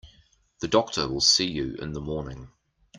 The doctor will see you in the morning.